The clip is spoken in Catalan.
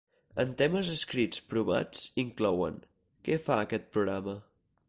Els temes escrits provats inclouen: "Què fa aquest programa?".